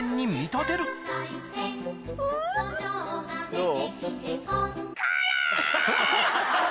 どう？